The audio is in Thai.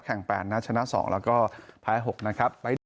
แข่งแปดนะชนะ๒แล้วก็แพ้๖นะครับ